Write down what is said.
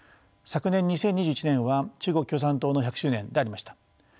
昨年２０２１年は中国共産党の１００周年でありました。